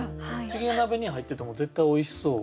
チゲ鍋に入ってても絶対おいしそう。